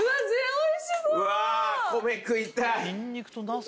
おいしそう！